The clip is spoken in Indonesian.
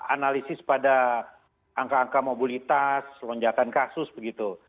analisis pada angka angka mobilitas lonjakan kasus begitu